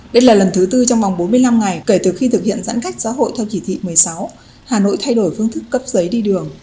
đây là lần thứ tư trong vòng bốn mươi năm ngày kể từ khi thực hiện giãn cách xã hội theo chỉ thị một mươi sáu hà nội thay đổi phương thức cấp giấy đi đường